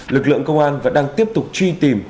lực lượng công an vẫn đang tiếp tục truy tìm